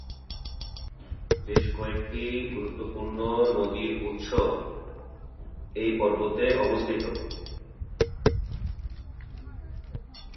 বেশ কয়েকটি গুরুত্বপূর্ণ নদীর উৎস এই পর্বতে অবস্থিত।